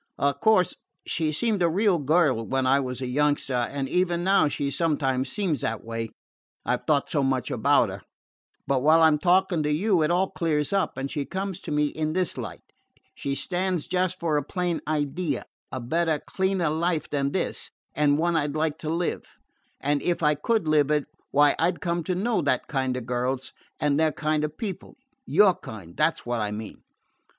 "Of course she seemed a real girl when I was a youngster, and even now she sometimes seems that way, I 've thought so much about her. But while I 'm talking to you it all clears up and she comes to me in this light: she stands just for a plain idea, a better, cleaner life than this, and one I 'd like to live; and if I could live it, why, I 'd come to know that kind of girls, and their kind of people your kind, that 's what I mean.